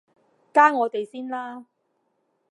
加我哋先啦